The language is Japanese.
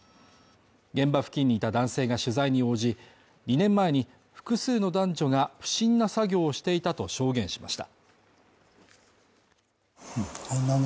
現場付近にいた男性が取材に応じ、２年前に複数の男女が不審な作業をしていたと証言しました。